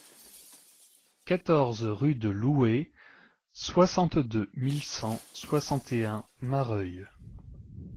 quatorze rue de Louez, soixante-deux mille cent soixante et un Marœuil